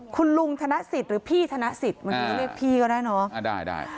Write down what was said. คุณลุงธนสิทธิ์หรือพี่ธนสิทธิ์บางทีก็เรียกพี่ก็ได้เนาะ